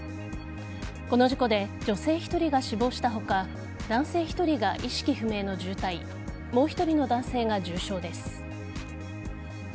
この事故で女性１人が死亡した他男性１人が意識不明の重体もう１人の男性が重傷です。